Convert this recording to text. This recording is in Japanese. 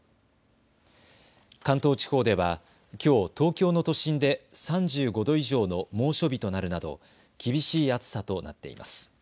関東地方ではきょう東京の都心で３５度以上の猛暑日となるなど厳しい暑さとなっています。